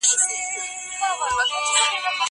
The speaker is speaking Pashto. زه پاکوالی نه کوم!!